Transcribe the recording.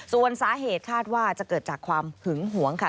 ส่วนสาเหตุคาดว่าจะเกิดจากความหึงหวงค่ะ